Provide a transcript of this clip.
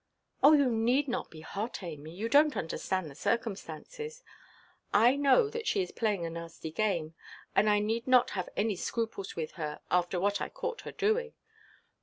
"Oh, you need not be hot, Amy; you donʼt understand the circumstances. I know that she is playing a nasty game; and I need not have any scruples with her, after what I caught her doing.